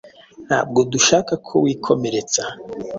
Ntabwo dushaka ko wikomeretsa.